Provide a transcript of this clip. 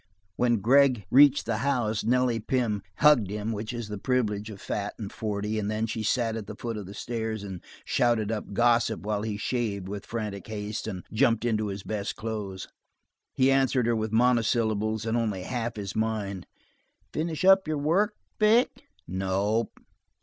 When Gregg reached the house, Nelly Pym hugged him, which is the privilege of fat and forty, and then she sat at the foot of the stairs and shouted up gossip while he shaved with frantic haste and jumped into his best clothes. He answered her with monosyllables and only half his mind. "Finish up your work, Vic?" "Nope."